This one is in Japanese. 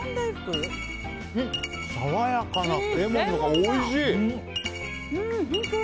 爽やかなレモンの香りおいしい！